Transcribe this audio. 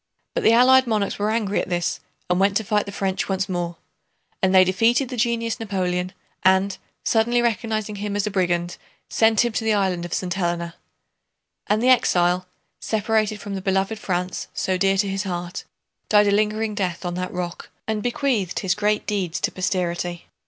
But the Allied monarchs were angry at this and went to fight the French once more. And they defeated the genius Napoleon and, suddenly recognizing him as a brigand, sent him to the island of St. Helena. And the exile, separated from the beloved France so dear to his heart, died a lingering death on that rock and bequeathed his great deeds to posterity.